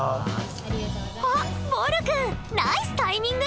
あっぼる君ナイスタイミング！